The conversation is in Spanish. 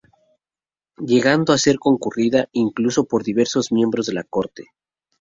Llegando a ser concurrida incluso por diversos miembros de la Corte.